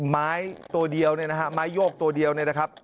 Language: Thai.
ไม้ตัวเดียวเนี่ยนะฮะไม้โยกตัวเดียวเนี่ยนะครับ